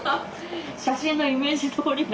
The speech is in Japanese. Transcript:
写真のイメージどおりだ。